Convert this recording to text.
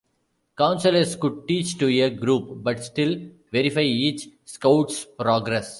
Counselors could teach to a group but still verify each Scout's progress.